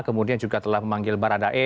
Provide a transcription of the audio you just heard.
kemudian juga telah memanggil baradae